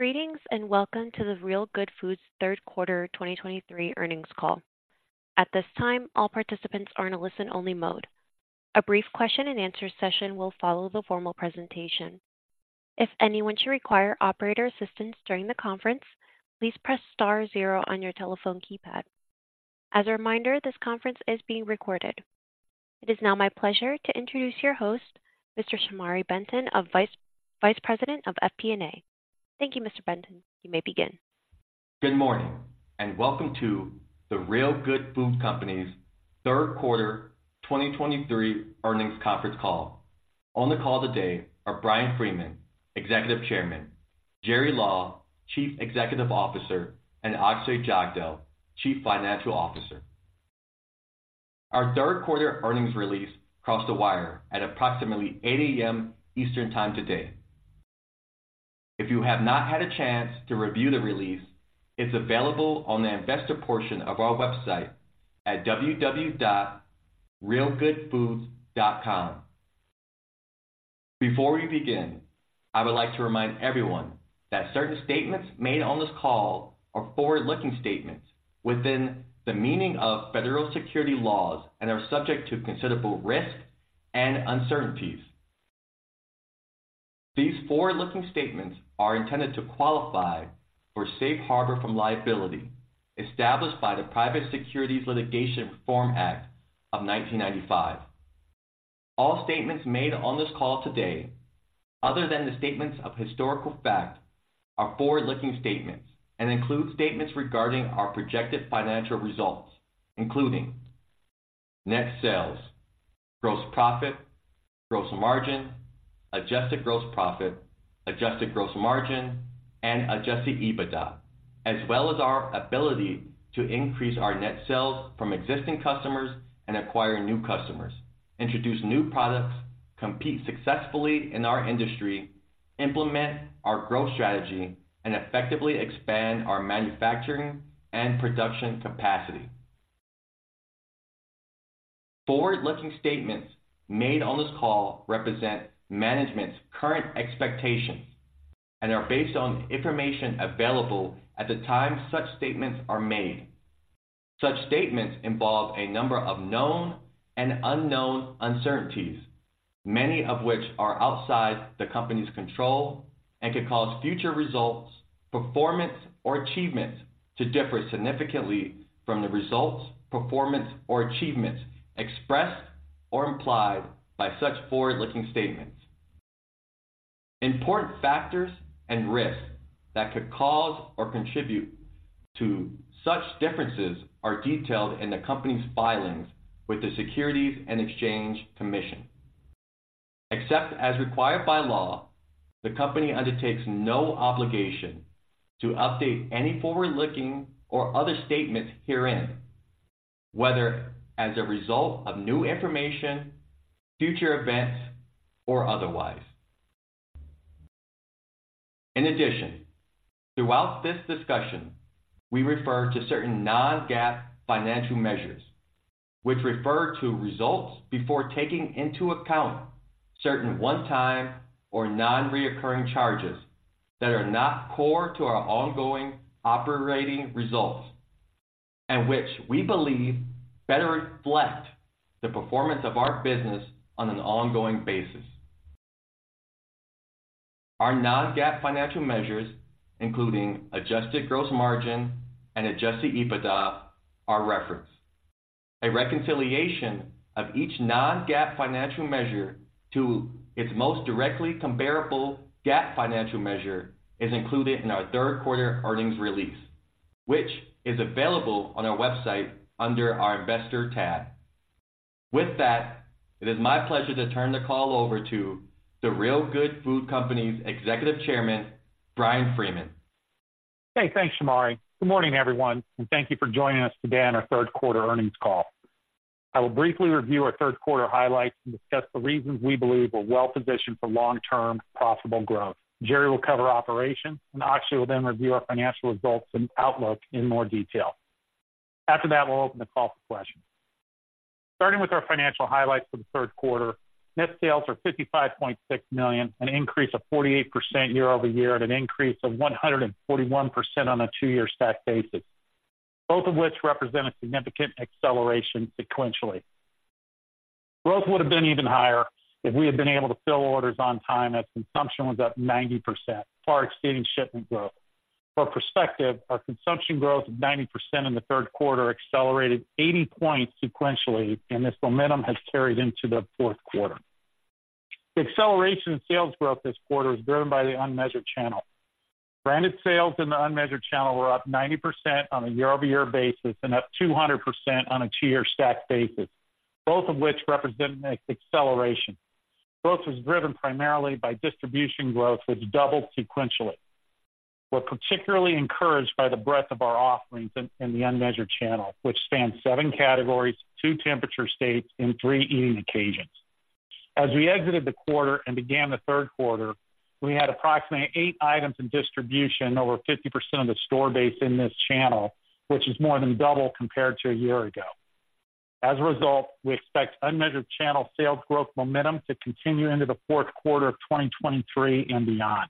Greetings, and welcome to the Real Good Foods third quarter 2023 earnings call. At this time, all participants are in a listen-only mode. A brief question-and-answer session will follow the formal presentation. If anyone should require operator assistance during the conference, please press star zero on your telephone keypad. As a reminder, this conference is being recorded. It is now my pleasure to introduce your host, Mr. Shamari Benton, Vice President of FP&A. Thank you, Mr. Benton. You may begin. Good morning, and welcome to the Real Good Foods Company's third quarter 2023 earnings conference call. On the call today are Bryan Freeman, Executive Chairman, Gerard Law, Chief Executive Officer, and Akshay Jagdale, Chief Financial Officer. Our third quarter earnings release crossed the wire at approximately 8 A.M. Eastern Time today. If you have not had a chance to review the release, it's available on the investor portion of our website at www.realgoodfoods.com. Before we begin, I would like to remind everyone that certain statements made on this call are forward-looking statements within the meaning of federal securities laws and are subject to considerable risk and uncertainties. These forward-looking statements are intended to qualify for safe harbor from liability established by the Private Securities Litigation Reform Act of 1995. All statements made on this call today, other than the statements of historical fact, are forward-looking statements and include statements regarding our projected financial results, including net sales, gross profit, gross margin, adjusted gross profit, adjusted gross margin, and adjusted EBITDA, as well as our ability to increase our net sales from existing customers and acquire new customers, introduce new products, compete successfully in our industry, implement our growth strategy, and effectively expand our manufacturing and production capacity. Forward-looking statements made on this call represent management's current expectations and are based on information available at the time such statements are made. Such statements involve a number of known and unknown uncertainties, many of which are outside the company's control and could cause future results, performance, or achievements to differ significantly from the results, performance, or achievements expressed or implied by such forward-looking statements. Important factors and risks that could cause or contribute to such differences are detailed in the company's filings with the Securities and Exchange Commission. Except as required by law, the company undertakes no obligation to update any forward-looking or other statements herein, whether as a result of new information, future events, or otherwise. In addition, throughout this discussion, we refer to certain non-GAAP financial measures, which refer to results before taking into account certain one-time or non-recurring charges that are not core to our ongoing operating results and which we believe better reflect the performance of our business on an ongoing basis. Our non-GAAP financial measures, including adjusted gross margin and adjusted EBITDA, are referenced. A reconciliation of each non-GAAP financial measure to its most directly comparable GAAP financial measure is included in our third quarter earnings release, which is available on our website under our Investor tab. With that, it is my pleasure to turn the call over to The Real Good Food Company's Executive Chairman, Bryan Freeman. Hey, thanks, Shamari. Good morning, everyone, and thank you for joining us today on our third quarter earnings call. I will briefly review our third quarter highlights and discuss the reasons we believe we're well positioned for long-term profitable growth. Gerry will cover operations, and Akshay will then review our financial results and outlook in more detail. After that, we'll open the call for questions. Starting with our financial highlights for the third quarter, net sales are $55.6 million, an increase of 48% year-over-year, an increase of 141% on a two-year stacked basis, both of which represent a significant acceleration sequentially. Growth would have been even higher if we had been able to fill orders on time, as consumption was up 90%, far exceeding shipment growth. For perspective, our consumption growth of 90% in the third quarter accelerated 80 points sequentially, and this momentum has carried into the fourth quarter. The acceleration in sales growth this quarter was driven by the unmeasured channel. Branded sales in the unmeasured channel were up 90% on a year-over-year basis and up 200% on a two-year stacked basis, both of which represent an acceleration. Growth was driven primarily by distribution growth, which doubled sequentially. We're particularly encouraged by the breadth of our offerings in the unmeasured channel, which spans 7 categories, 2 temperature states, and 3 eating occasions. As we exited the quarter and began the third quarter, we had approximately 8 items in distribution, over 50% of the store base in this channel, which is more than double compared to a year ago. As a result, we expect unmeasured channel sales growth momentum to continue into the fourth quarter of 2023 and beyond.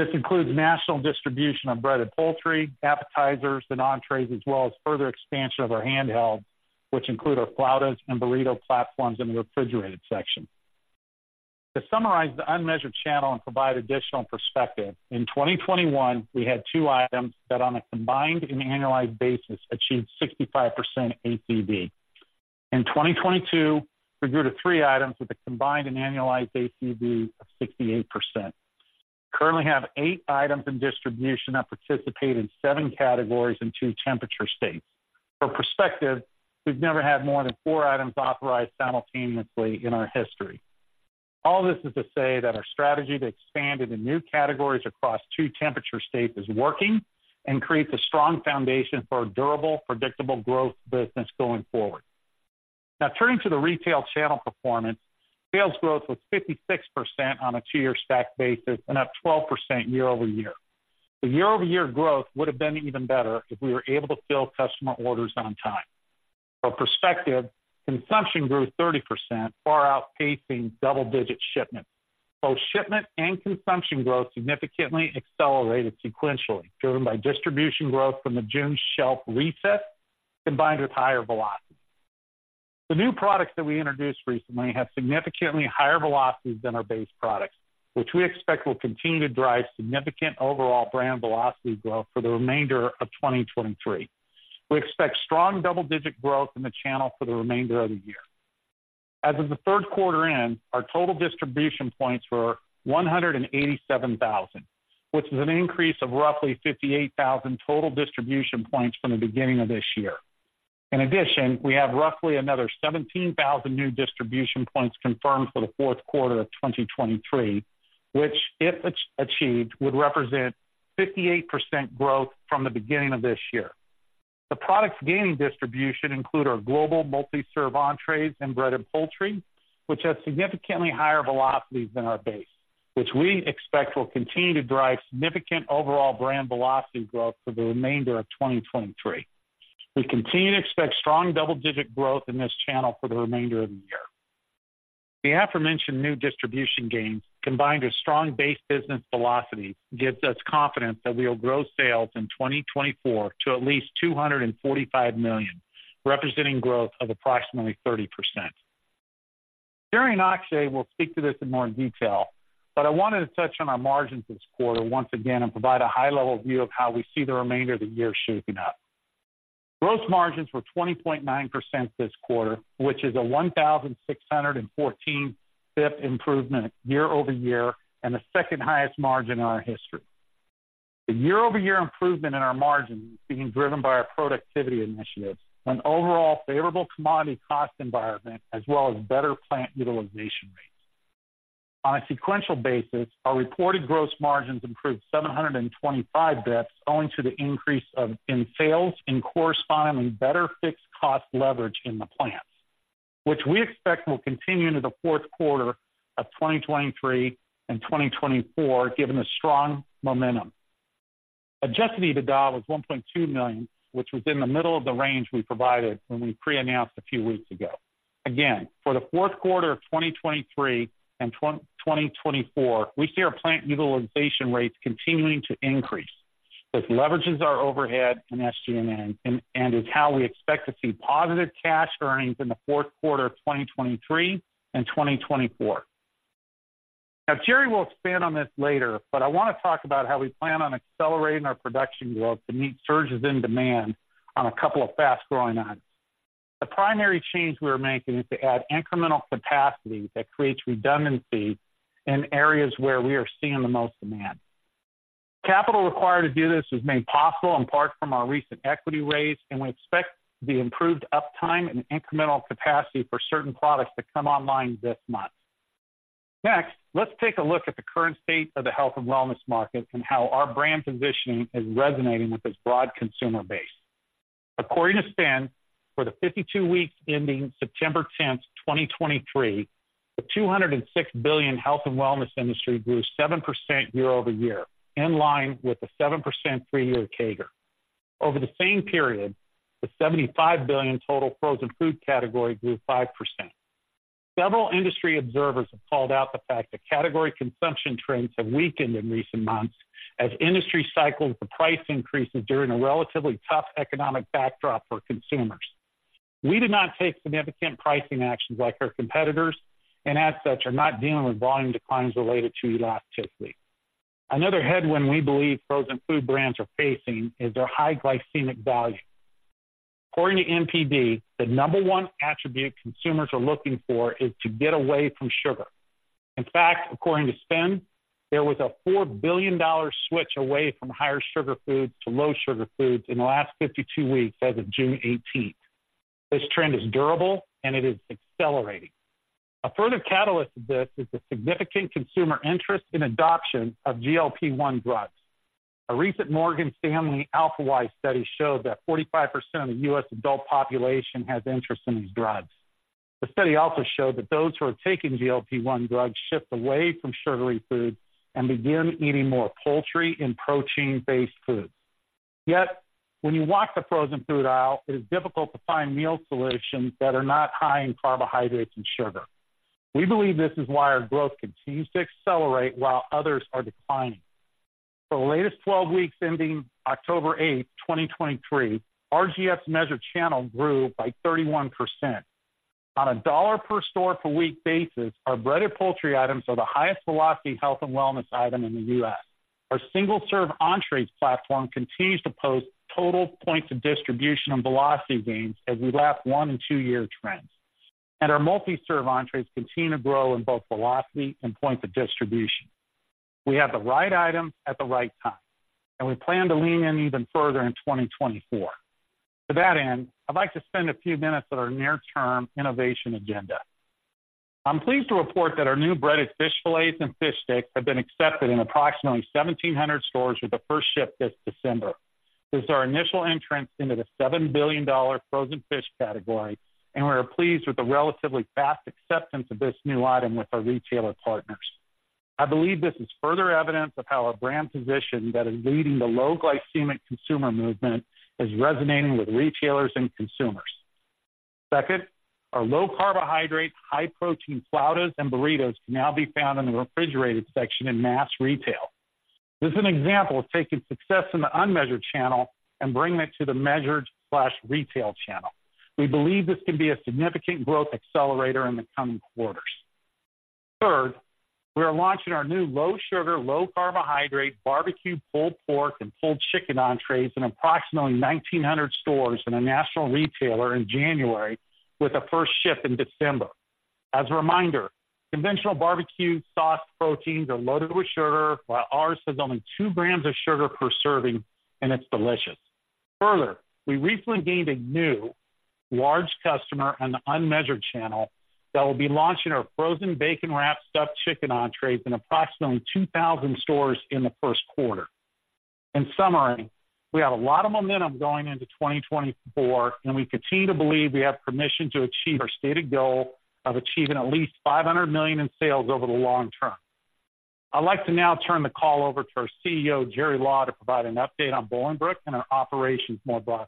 This includes national distribution of breaded poultry, appetizers, and entrees, as well as further expansion of our handheld, which include our flautas and burrito platforms in the refrigerated section. To summarize the unmeasured channel and provide additional perspective, in 2021, we had 2 items that, on a combined and annualized basis, achieved 65% ACV. In 2022, we grew to 3 items with a combined and annualized ACV of 68%. We currently have 8 items in distribution that participate in 7 categories and 2 temperature states. For perspective, we've never had more than four items authorized simultaneously in our history. All this is to say that our strategy to expand into new categories across two temperature states is working and creates a strong foundation for a durable, predictable growth business going forward. Now, turning to the retail channel performance. Sales growth was 56% on a two-year stacked basis and up 12% year-over-year. The year-over-year growth would have been even better if we were able to fill customer orders on time. For perspective, consumption grew 30%, far outpacing double-digit shipments. Both shipment and consumption growth significantly accelerated sequentially, driven by distribution growth from the June shelf reset, combined with higher velocity. The new products that we introduced recently have significantly higher velocities than our base products, which we expect will continue to drive significant overall brand velocity growth for the remainder of 2023. We expect strong double-digit growth in the channel for the remainder of the year. As of the third quarter end, our total distribution points were 187,000, which is an increase of roughly 58,000 total distribution points from the beginning of this year. In addition, we have roughly another 17,000 new distribution points confirmed for the fourth quarter of 2023, which, if achieved, would represent 58% growth from the beginning of this year. The products gaining distribution include our global multi-serve entrees and breaded poultry, which have significantly higher velocities than our base, which we expect will continue to drive significant overall brand velocity growth for the remainder of 2023. We continue to expect strong double-digit growth in this channel for the remainder of the year. The aforementioned new distribution gains, combined with strong base business velocity, gives us confidence that we will grow sales in 2024 to at least $245 million, representing growth of approximately 30%. Gerard and Akshay will speak to this in more detail, but I wanted to touch on our margins this quarter once again and provide a high-level view of how we see the remainder of the year shaping up. Gross margins were 20.9% this quarter, which is a 1,614 basis points improvement year-over-year and the second highest margin in our history. The year-over-year improvement in our margin is being driven by our productivity initiatives, an overall favorable commodity cost environment, as well as better plant utilization rates. On a sequential basis, our reported gross margins improved 725 basis points, owing to the increase in sales and correspondingly better fixed cost leverage in the plants, which we expect will continue into the fourth quarter of 2023 and 2024, given the strong momentum. Adjusted EBITDA was $1.2 million, which was in the middle of the range we provided when we pre-announced a few weeks ago. Again, for the fourth quarter of 2023 and 2024, we see our plant utilization rates continuing to increase, which leverages our overhead and SG&A, and is how we expect to see positive cash earnings in the fourth quarter of 2023 and 2024. Now, Gerard will expand on this later, but I wanna talk about how we plan on accelerating our production growth to meet surges in demand on a couple of fast-growing items. The primary change we are making is to add incremental capacity that creates redundancy in areas where we are seeing the most demand. Capital required to do this was made possible in part from our recent equity raise, and we expect the improved uptime and incremental capacity for certain products to come online this month. Next, let's take a look at the current state of the health and wellness market and how our brand positioning is resonating with this broad consumer base. According to SPINS, for the 52 weeks ending September 10, 2023, the $206 billion health and wellness industry grew 7% year-over-year, in line with the 7% three-year CAGR. Over the same period, the $75 billion total frozen food category grew 5%. Several industry observers have called out the fact that category consumption trends have weakened in recent months as industry cycles the price increases during a relatively tough economic backdrop for consumers. We did not take significant pricing actions like our competitors, and as such, are not dealing with volume declines related to elasticity. Another headwind we believe frozen food brands are facing is their high glycemic value. According to NPD, the number one attribute consumers are looking for is to get away from sugar. In fact, according to SPINS, there was a $4 billion switch away from higher sugar foods to low sugar foods in the last 52 weeks as of June eighteenth. This trend is durable, and it is accelerating. A further catalyst of this is the significant consumer interest in adoption of GLP-1 drugs. A recent Morgan Stanley AlphaWise study showed that 45% of the U.S. adult population has interest in these drugs. The study also showed that those who are taking GLP-1 drugs shift away from sugary foods and begin eating more poultry and protein-based foods. Yet, when you walk the frozen food aisle, it is difficult to find meal solutions that are not high in carbohydrates and sugar. We believe this is why our growth continues to accelerate while others are declining. For the latest 12 weeks ending October 8, 2023, RGF measured channel grew by 31%. On a dollar per store per week basis, our breaded poultry items are the highest velocity health and wellness item in the U.S. Our single-serve entrees platform continues to post total points of distribution and velocity gains as we lap one- and two-year trends. Our multi-serve entrees continue to grow in both velocity and point of distribution. We have the right item at the right time, and we plan to lean in even further in 2024. To that end, I'd like to spend a few minutes on our near-term innovation agenda. I'm pleased to report that our new breaded fish filets and fish sticks have been accepted in approximately 1,700 stores, with a first ship this December. This is our initial entrance into the $7 billion frozen fish category, and we are pleased with the relatively fast acceptance of this new item with our retailer partners. I believe this is further evidence of how our brand position that is leading the low glycemic consumer movement is resonating with retailers and consumers. Second, our low carbohydrate, high-protein flautas and burritos can now be found in the refrigerated section in mass retail. This is an example of taking success in the unmeasured channel and bringing it to the measured/retail channel. We believe this can be a significant growth accelerator in the coming quarters. Third, we are launching our new low sugar, low carbohydrate barbecue pulled pork and pulled chicken entrees in approximately 1,900 stores in a national retailer in January, with a first ship in December. As a reminder, conventional barbecue sauce proteins are loaded with sugar, while ours has only 2 g of sugar per serving, and it's delicious. Further, we recently gained a new large customer in the unmeasured channel that will be launching our frozen bacon-wrapped stuffed chicken entrees in approximately 2,000 stores in the first quarter. In summary, we have a lot of momentum going into 2024, and we continue to believe we have permission to achieve our stated goal of achieving at least $500 million in sales over the long term. I'd like to now turn the call over to our CEO, Gerard Law, to provide an update on Bolingbrook and our operations more broadly.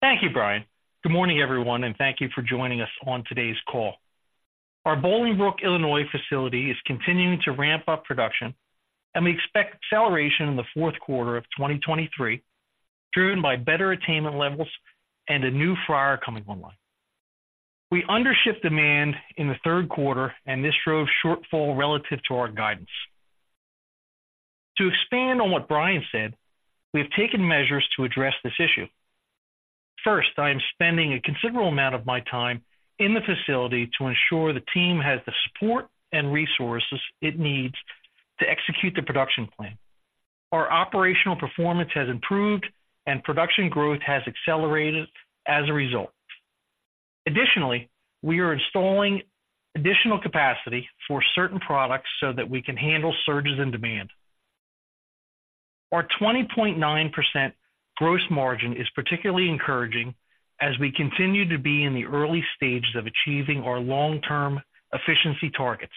Thank you, Bryan. Good morning, everyone, and thank you for joining us on today's call. Our Bolingbrook, Illinois, facility is continuing to ramp up production, and we expect acceleration in the fourth quarter of 2023, driven by better attainment levels and a new fryer coming online. We under-shipped demand in the third quarter, and this drove shortfall relative to our guidance. To expand on what Bryan said, we have taken measures to address this issue. First, I am spending a considerable amount of my time in the facility to ensure the team has the support and resources it needs to execute the production plan. Our operational performance has improved and production growth has accelerated as a result. Additionally, we are installing additional capacity for certain products so that we can handle surges in demand. Our 20.9% gross margin is particularly encouraging as we continue to be in the early stages of achieving our long-term efficiency targets.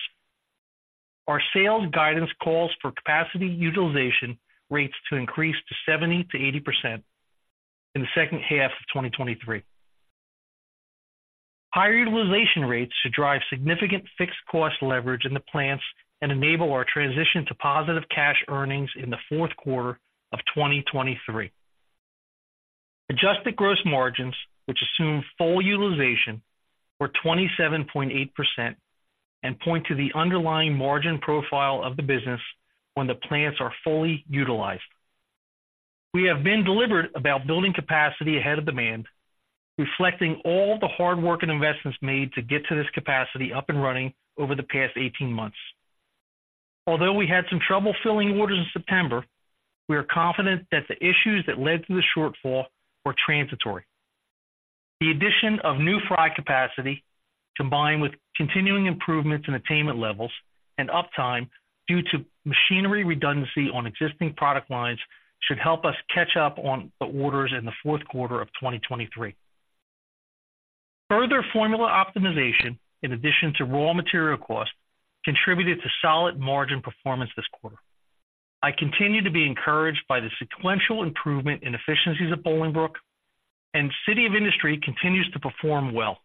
Our sales guidance calls for capacity utilization rates to increase to 70%-80% in the second half of 2023. Higher utilization rates should drive significant fixed cost leverage in the plants and enable our transition to positive cash earnings in the fourth quarter of 2023. Adjusted gross margins, which assume full utilization, were 27.8% and point to the underlying margin profile of the business when the plants are fully utilized. We have been deliberate about building capacity ahead of demand, reflecting all the hard work and investments made to get to this capacity up and running over the past 18 months. Although we had some trouble filling orders in September, we are confident that the issues that led to the shortfall were transitory. The addition of new fry capacity, combined with continuing improvements in attainment levels and uptime due to machinery redundancy on existing product lines, should help us catch up on the orders in the fourth quarter of 2023. Further formula optimization, in addition to raw material costs, contributed to solid margin performance this quarter. I continue to be encouraged by the sequential improvement in efficiencies at Bolingbrook, and City of Industry continues to perform well.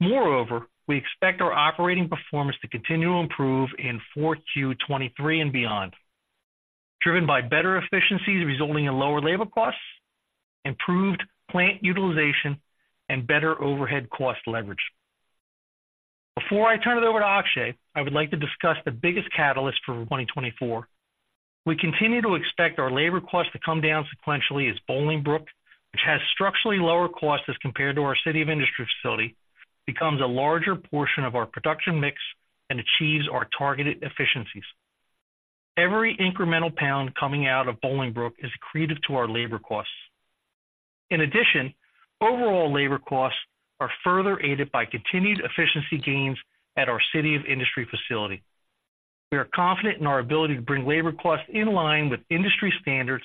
Moreover, we expect our operating performance to continue to improve in 4Q 2023 and beyond, driven by better efficiencies resulting in lower labor costs, improved plant utilization, and better overhead cost leverage. Before I turn it over to Akshay, I would like to discuss the biggest catalyst for 2024. We continue to expect our labor costs to come down sequentially as Bolingbrook, which has structurally lower costs as compared to our City of Industry facility, becomes a larger portion of our production mix and achieves our targeted efficiencies. Every incremental pound coming out of Bolingbrook is accretive to our labor costs. In addition, overall labor costs are further aided by continued efficiency gains at our City of Industry facility. We are confident in our ability to bring labor costs in line with industry standards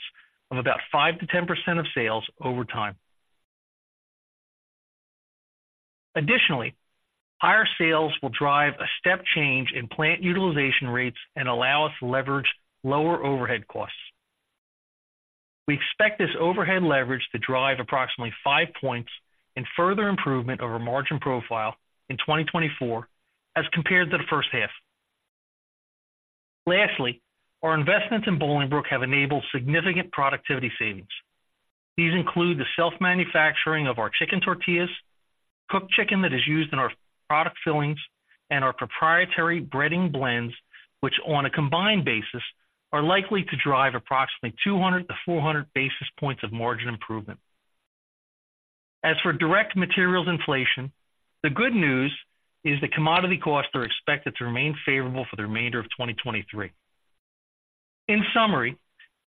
of about 5%-10% of sales over time. Additionally, higher sales will drive a step change in plant utilization rates and allow us to leverage lower overhead costs. We expect this overhead leverage to drive approximately 5 points in further improvement over margin profile in 2024 as compared to the first half. Lastly, our investments in Bolingbrook have enabled significant productivity savings. These include the self-manufacturing of our chicken tortillas, cooked chicken that is used in our product fillings, and our proprietary breading blends, which, on a combined basis, are likely to drive approximately 200-400 basis points of margin improvement. As for direct materials inflation, the good news is that commodity costs are expected to remain favorable for the remainder of 2023. In summary,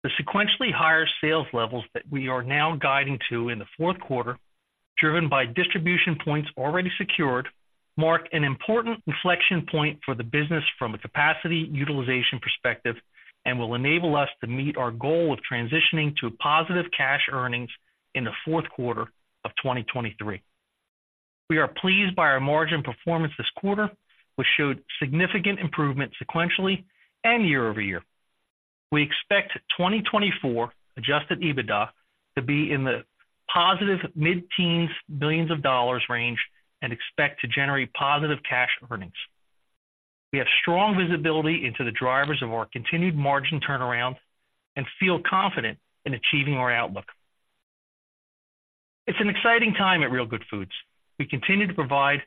the sequentially higher sales levels that we are now guiding to in the fourth quarter, driven by distribution points already secured, mark an important inflection point for the business from a capacity utilization perspective and will enable us to meet our goal of transitioning to positive cash earnings in the fourth quarter of 2023. We are pleased by our margin performance this quarter, which showed significant improvement sequentially and year-over-year. We expect 2024 Adjusted EBITDA to be in the positive mid-teens billion of dollars range and expect to generate positive cash earnings. We have strong visibility into the drivers of our continued margin turnaround and feel confident in achieving our outlook. It's an exciting time at Real Good Foods. We continue to provide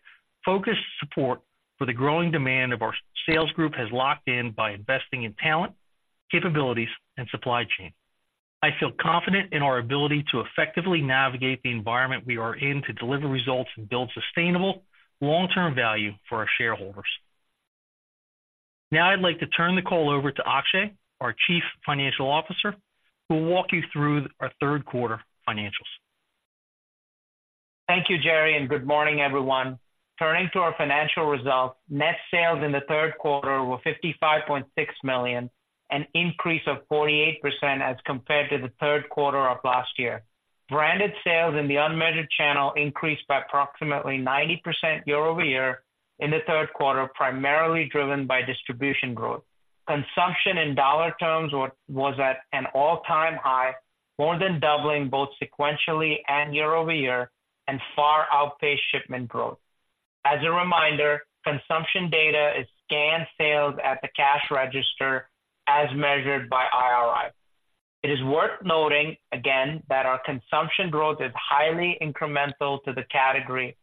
focused support for the growing demand of our sales group has locked in by investing in talent, capabilities, and supply chain. I feel confident in our ability to effectively navigate the environment we are in to deliver results and build sustainable long-term value for our shareholders. Now I'd like to turn the call over to Akshay, our Chief Financial Officer, who will walk you through our third quarter financials. Thank you, Gerard, and good morning, everyone. Turning to our financial results. Net sales in the third quarter were $55.6 million, an increase of 48% as compared to the third quarter of last year. Branded sales in the unmeasured channel increased by approximately 90% year-over-year in the third quarter, primarily driven by distribution growth. Consumption in dollar terms was at an all-time high, more than doubling both sequentially and year-over-year and far outpaced shipment growth. As a reminder, consumption data is scanned sales at the cash register as measured by IRI. It is worth noting again that our consumption growth is highly incremental to the category,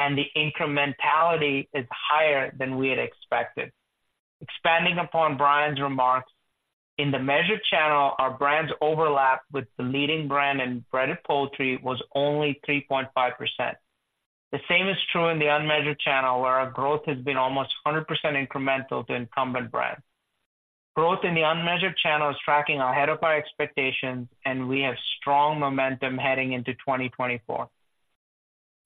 and the incrementality is higher than we had expected. Expanding upon Bryan's remarks, in the measured channel, our brand's overlap with the leading brand in breaded poultry was only 3.5%. The same is true in the unmeasured channel, where our growth has been almost 100% incremental to incumbent brands. Growth in the unmeasured channel is tracking ahead of our expectations, and we have strong momentum heading into 2024.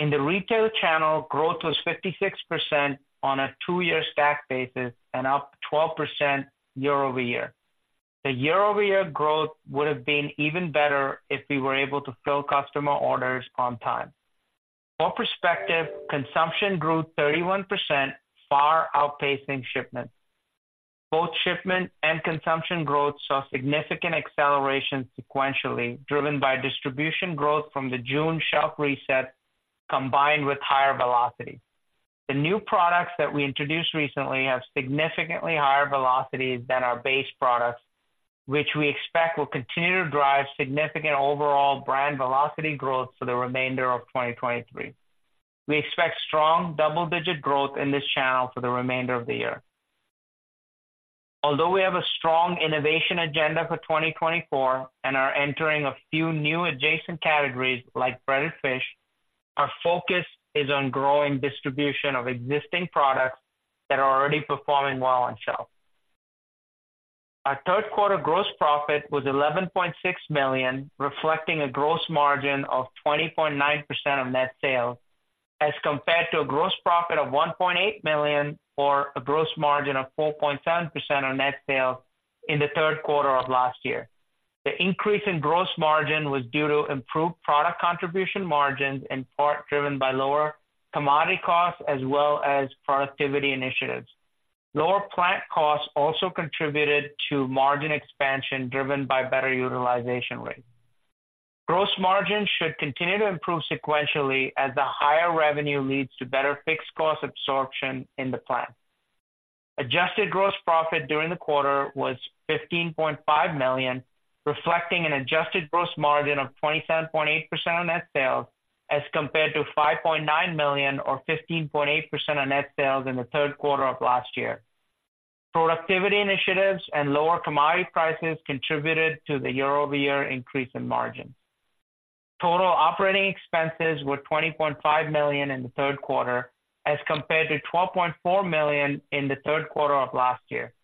In the retail channel, growth was 56% on a two-year stacked basis and up 12% year-over-year. The year-over-year growth would have been even better if we were able to fill customer orders on time. For perspective, consumption grew 31%, far outpacing shipments. Both shipment and consumption growth saw significant acceleration sequentially, driven by distribution growth from the June shelf reset, combined with higher velocity. The new products that we introduced recently have significantly higher velocities than our base products, which we expect will continue to drive significant overall brand velocity growth for the remainder of 2023. We expect strong double-digit growth in this channel for the remainder of the year. Although we have a strong innovation agenda for 2024 and are entering a few new adjacent categories, like breaded fish, our focus is on growing distribution of existing products that are already performing well on shelf. Our third quarter gross profit was $11.6 million, reflecting a gross margin of 20.9% of net sales, as compared to a gross profit of $1.8 million, or a gross margin of 4.7% on net sales in the third quarter of last year. The increase in gross margin was due to improved product contribution margins, in part driven by lower commodity costs as well as productivity initiatives. Lower plant costs also contributed to margin expansion, driven by better utilization rates. Gross margin should continue to improve sequentially as the higher revenue leads to better fixed cost absorption in the plant. Adjusted gross profit during the quarter was $15.5 million, reflecting an adjusted gross margin of 27.8% of net sales, as compared to $5.9 million, or 15.8% of net sales in the third quarter of last year. Productivity initiatives and lower commodity prices contributed to the year-over-year increase in margin. Total operating expenses were $20.5 million in the third quarter, as compared to $12.4 million in the third quarter of last year.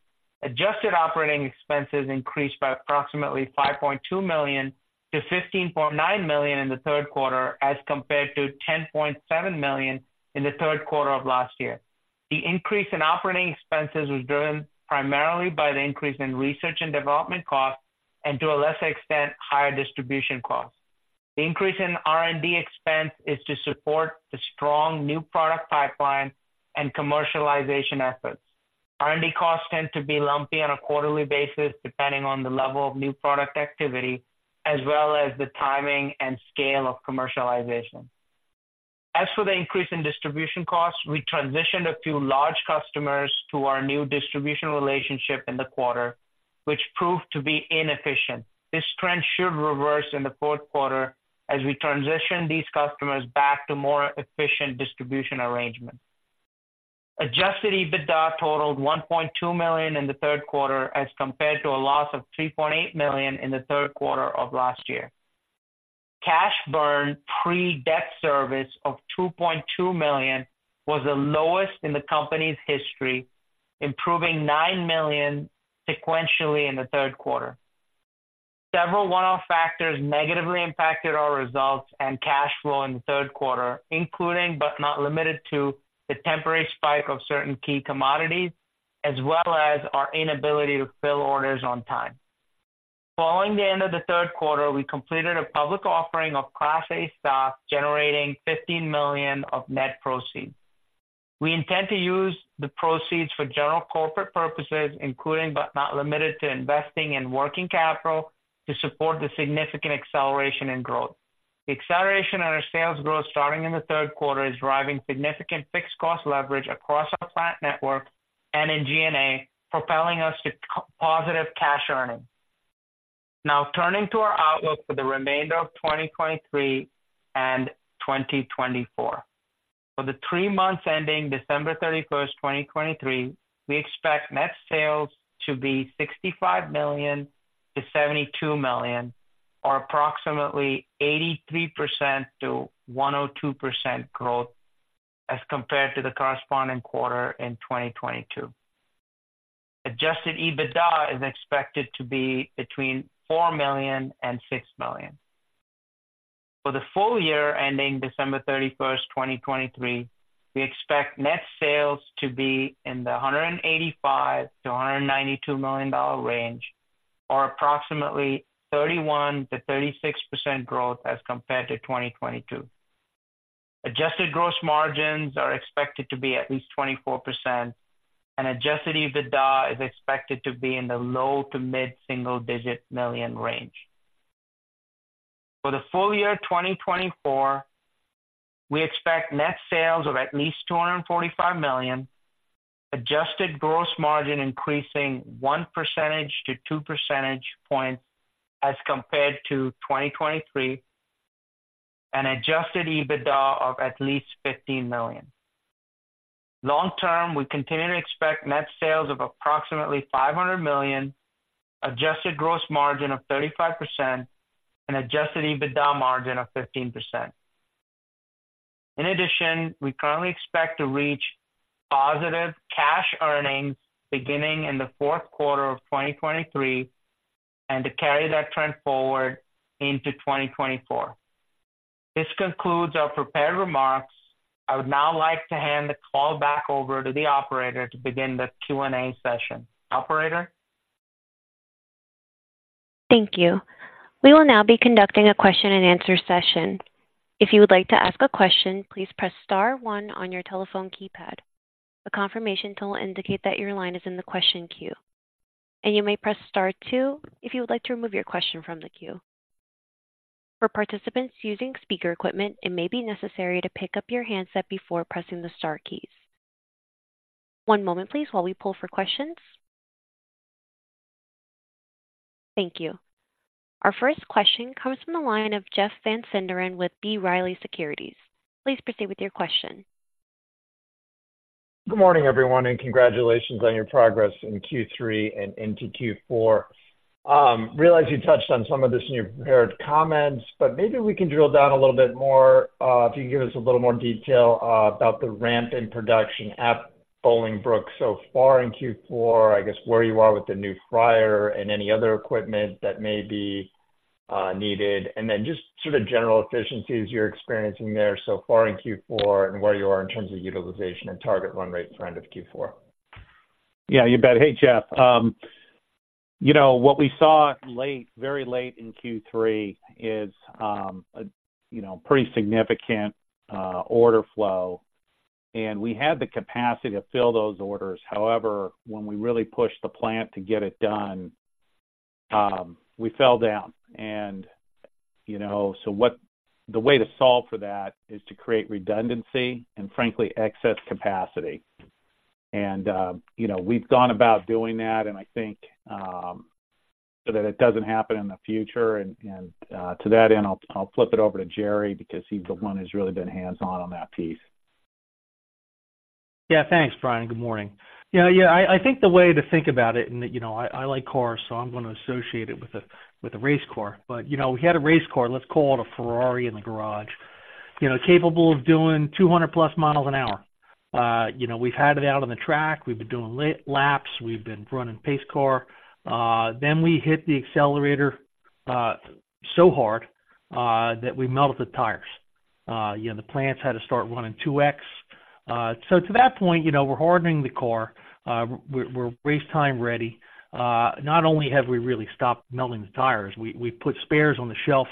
Adjusted operating expenses increased by approximately $5.2 million to $15.9 million in the third quarter, as compared to $10.7 million in the third quarter of last year. The increase in operating expenses was driven primarily by the increase in research and development costs, and to a lesser extent, higher distribution costs. The increase in R&D expense is to support the strong new product pipeline and commercialization efforts. R&D costs tend to be lumpy on a quarterly basis, depending on the level of new product activity, as well as the timing and scale of commercialization. As for the increase in distribution costs, we transitioned a few large customers to our new distribution relationship in the quarter, which proved to be inefficient. This trend should reverse in the fourth quarter as we transition these customers back to more efficient distribution arrangements. Adjusted EBITDA totaled $1.2 million in the third quarter, as compared to a loss of $3.8 million in the third quarter of last year. Cash burn, pre-debt service of $2.2 million, was the lowest in the company's history, improving $9 million sequentially in the third quarter. Several one-off factors negatively impacted our results and cash flow in the third quarter, including, but not limited to, the temporary spike of certain key commodities, as well as our inability to fill orders on time. Following the end of the third quarter, we completed a public offering of Class A stock, generating $15 million of net proceeds. We intend to use the proceeds for general corporate purposes, including, but not limited to, investing in working capital to support the significant acceleration in growth. The acceleration of our sales growth starting in the third quarter is driving significant fixed cost leverage across our plant network and in G&A, propelling us to cash-positive cash earnings. Now, turning to our outlook for the remainder of 2023 and 2024. For the three months ending December 31, 2023, we expect net sales to be $65 million-$72 million, or approximately 83%-102% growth as compared to the corresponding quarter in 2022. Adjusted EBITDA is expected to be between $4 million and $6 million. For the full year ending December 31, 2023, we expect net sales to be in the $185-$192 million range, or approximately 31%-36% growth as compared to 2022. Adjusted gross margins are expected to be at least 24%, and adjusted EBITDA is expected to be in the low- to mid-single-digit million range. For the full year 2024, we expect net sales of at least $245 million, adjusted gross margin increasing 1-2 percentage points as compared to 2023, and adjusted EBITDA of at least $15 million. Long term, we continue to expect net sales of approximately $500 million, adjusted gross margin of 35% and adjusted EBITDA margin of 15%. In addition, we currently expect to reach positive cash earnings beginning in the fourth quarter of 2023 and to carry that trend forward into 2024. This concludes our prepared remarks. I would now like to hand the call back over to the operator to begin the Q&A session. Operator? Thank you. We will now be conducting a question-and-answer session. If you would like to ask a question, please press star one on your telephone keypad. A confirmation tone will indicate that your line is in the question queue, and you may press star two if you would like to remove your question from the queue. For participants using speaker equipment, it may be necessary to pick up your handset before pressing the star keys. One moment please, while we pull for questions. Thank you. Our first question comes from the line of Jeff Van Sinderen with B. Riley Securities. Please proceed with your question. Good morning, everyone, and congratulations on your progress in Q3 and into Q4. Realize you touched on some of this in your prepared comments, but maybe we can drill down a little bit more, if you can give us a little more detail about the ramp in production at Bolingbrook so far in Q4, I guess where you are with the new fryer and any other equipment that may be needed. Then just sort of general efficiencies you're experiencing there so far in Q4 and where you are in terms of utilization and target run rate for end of Q4. Yeah, you bet. Hey, Jeff. You know, what we saw late, very late in Q3 is, you know, pretty significant order flow, and we had the capacity to fill those orders. However, when we really pushed the plant to get it done, we fell down. And, you know, so what, the way to solve for that is to create redundancy and frankly, excess capacity. And, you know, we've gone about doing that and I think, so that it doesn't happen in the future. And, to that end, I'll flip it over to Gerard, because he's the one who's really been hands-on on that piece. Yeah, thanks, Bryan. Good morning. Yeah, I think the way to think about it and, you know, I like cars, so I'm going to associate it with a race car. But, you know, we had a race car, let's call it a Ferrari in the garage, you know, capable of doing 200+ miles an hour. You know, we've had it out on the track. We've been doing laps. We've been running pace car. Then we hit the accelerator so hard that we melted the tires. You know, the plants had to start running 2x. So to that point, you know, we're hardening the core. We're race time ready. Not only have we really stopped melting the tires, we put spares on the shelf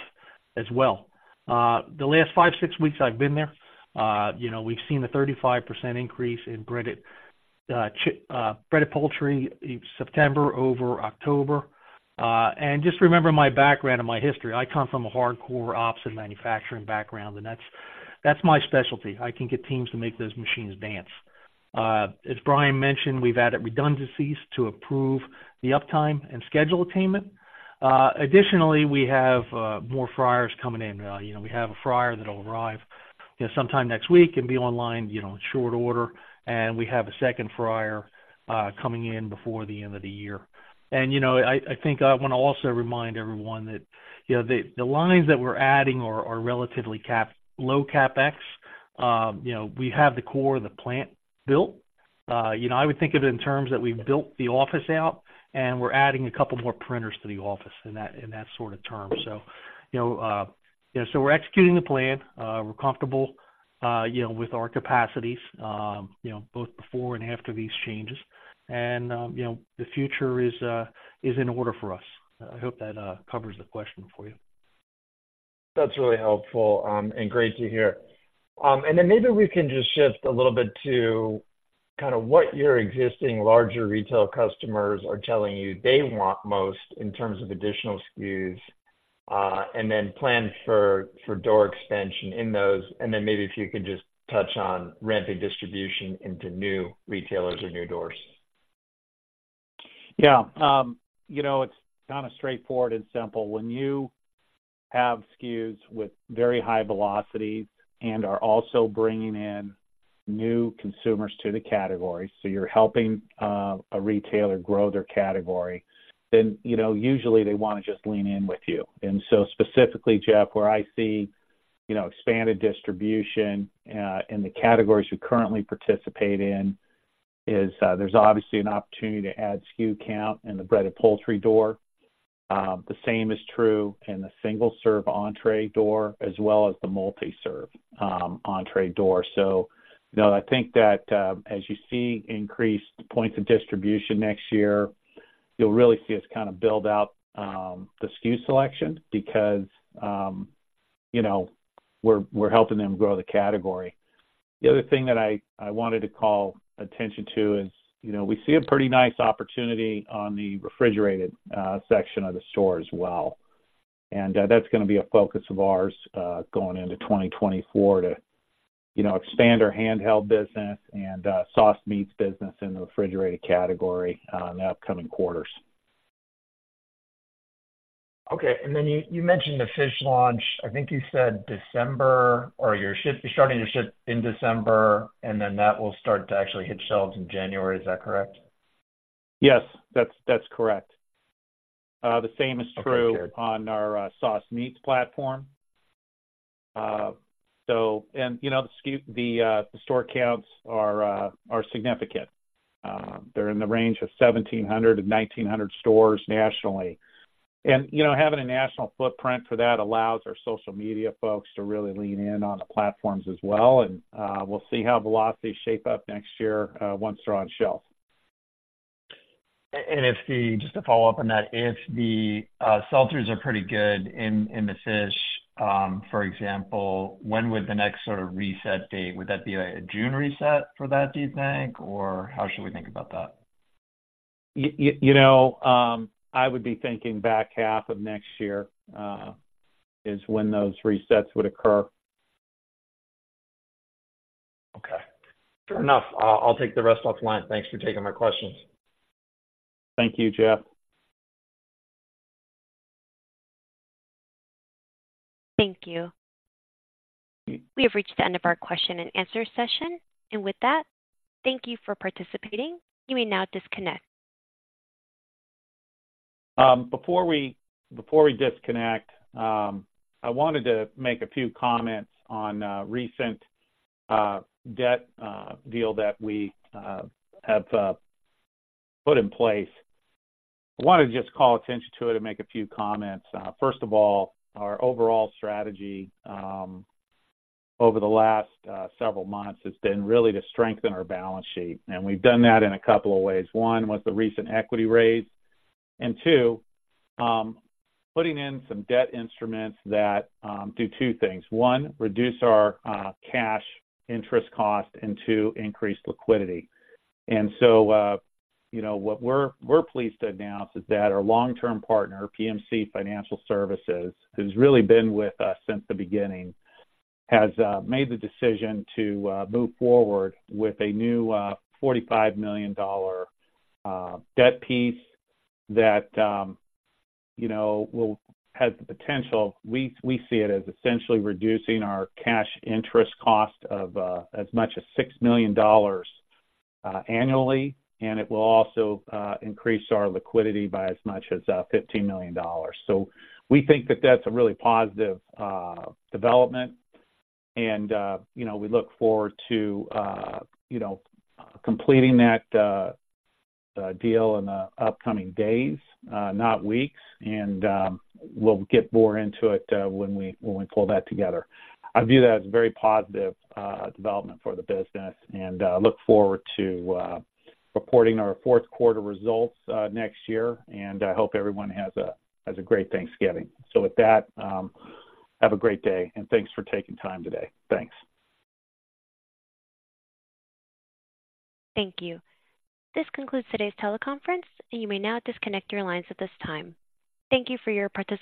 as well. The last five, six weeks I've been there, you know, we've seen a 35% increase in breaded poultry in September over October. And just remember, my background and my history. I come from a hardcore ops and manufacturing background, and that's, that's my specialty. I can get teams to make those machines dance. As Bryan mentioned, we've added redundancies to improve the uptime and schedule attainment. Additionally, we have more fryers coming in. You know, we have a fryer that'll arrive, you know, sometime next week and be online, you know, in short order. And we have a second fryer coming in before the end of the year. And, you know, I, I think I want to also remind everyone that, you know, the, the lines that we're adding are, are relatively low CapEx. You know, we have the core of the plant built. You know, I would think of it in terms that we've built the office out, and we're adding a couple more printers to the office in that, in that sort of term. So, you know, so we're executing the plan. We're comfortable, you know, with our capacities, you know, both before and after these changes. And, you know, the future is, is in order for us. I hope that covers the question for you. That's really helpful, and great to hear. And then maybe we can just shift a little bit to kind of what your existing larger retail customers are telling you they want most in terms of additional SKUs, and then plans for door expansion in those. And then maybe if you could just touch on R&D and distribution into new retailers or new doors. Yeah. You know, it's kind of straightforward and simple. When you have SKUs with very high velocities and are also bringing in new consumers to the category, so you're helping a retailer grow their category, then, you know, usually they want to just lean in with you. And so specifically, Jeff, where I see, you know, expanded distribution in the categories we currently participate in, is, there's obviously an opportunity to add SKU count in the breaded poultry door. The same is true in the single-serve entree door as well as the multi-serve entree door. So, you know, I think that, as you see increased points of distribution next year, you'll really see us kind of build out the SKU selection because, you know, we're, we're helping them grow the category. The other thing that I wanted to call attention to is, you know, we see a pretty nice opportunity on the refrigerated section of the store as well. And that's going to be a focus of ours going into 2024, to, you know, expand our handheld business and sausage meats business in the refrigerated category in the upcoming quarters. Okay. And then you mentioned the fish launch. I think you said December, or you're starting to ship in December, and then that will start to actually hit shelves in January. Is that correct? Yes, that's, that's correct. The same is true- Okay. -on our sauce meats platform. So, and, you know, the SKU, the store counts are significant. They're in the range of 1,700-1,900 stores nationally. And, you know, having a national footprint for that allows our social media folks to really lean in on the platforms as well. And, we'll see how velocities shape up next year, once they're on shelf. And if the, just to follow up on that, if the, sell-through are pretty good in, in the fish, for example, when would the next sort of reset date, would that be a June reset for that, do you think? Or how should we think about that? You know, I would be thinking back half of next year is when those resets would occur. Okay, fair enough. I'll take the rest offline. Thanks for taking my questions. Thank you, Jeff. Thank you. We have reached the end of our question-and-answer session. With that, thank you for participating. You may now disconnect. Before we disconnect, I wanted to make a few comments on recent debt deal that we have put in place. I wanted to just call attention to it and make a few comments. First of all, our overall strategy over the last several months has been really to strengthen our balance sheet, and we've done that in a couple of ways. One, with the recent equity raise, and two, putting in some debt instruments that do two things: one, reduce our cash interest cost, and two, increase liquidity. So you know what we're pleased to announce is that our long-term partner, PMC Financial Services, who's really been with us since the beginning, has made the decision to move forward with a new $45 million debt piece that you know will have the potential, we see it as essentially reducing our cash interest cost of as much as $6 million annually, and it will also increase our liquidity by as much as $15 million. So we think that that's a really positive development. And you know we look forward to you know completing that deal in the upcoming days, not weeks. And we'll get more into it when we pull that together. I view that as a very positive development for the business and look forward to reporting our fourth quarter results next year. I hope everyone has a great Thanksgiving. With that, have a great day, and thanks for taking time today. Thanks. Thank you. This concludes today's teleconference, and you may now disconnect your lines at this time. Thank you for your participation.